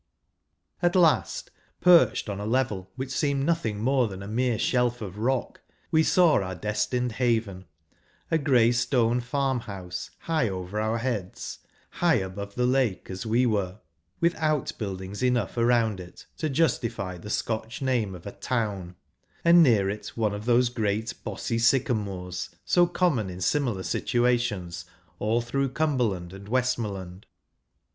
At last, perched on a level which seemed nothing more than a mere shelf of rock, we saw our destined haven — a grey stone farm¬ house, high over our heads, high above the kaike as we were — with out builuings enough around it to justify the Scotch name of a " town ;" and near it one of tliose great bossy sycamores, so common in similar situations all through Cumberland and Westmoreland.